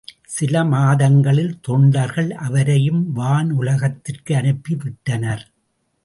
சில மாதங்களில் தொண்டர்கள் அவரையும் வானுலகத்திற்கு அனுப்பி விட்டனர்.